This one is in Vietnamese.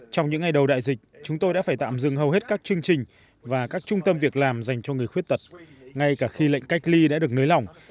trong những ngày đầu đại dịch chúng tôi đã phải tạm dừng hầu hết các chương trình và các trung tâm việc làm dành cho người khuyết tật ngay cả khi lệnh cách ly đã được nới lỏng